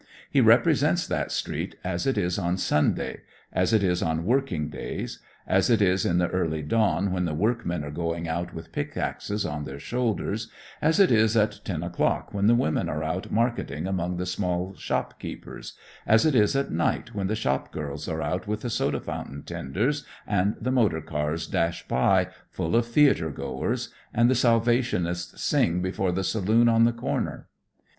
He represents that street as it is on Sunday, as it is on working days, as it is in the early dawn when the workmen are going out with pickaxes on their shoulders, as it is at ten o'clock when the women are out marketing among the small shopkeepers, as it is at night when the shop girls are out with the soda fountain tenders and the motor cars dash by full of theater goers, and the Salvationists sing before the saloon on the corner.